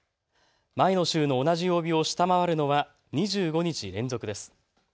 前の週の同じ曜日を下回るのは２５日連続です。